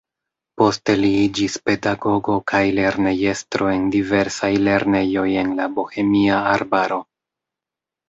Poste li iĝis pedagogo kaj lernejestro en diversaj lernejoj en la Bohemia arbaro.